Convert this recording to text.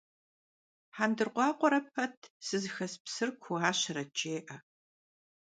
Hendırkhuakhuere pet «sızıxes psır kuuuaşeret» jjê'e.